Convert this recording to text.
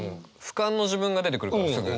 ふかんの自分が出てくるからすぐ。